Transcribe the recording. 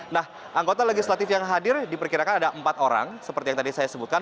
nah anggota legislatif yang hadir diperkirakan ada empat orang seperti yang tadi saya sebutkan